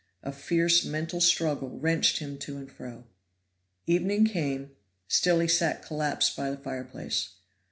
A fierce mental struggle wrenched him to and fro. Evening came, still he sat collapsed by the fireplace.